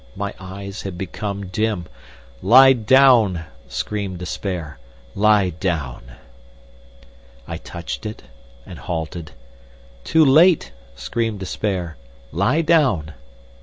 My eyes had become dim. "Lie down!" screamed despair; "lie down!" I touched it, and halted. "Too late!" screamed despair; "lie down!"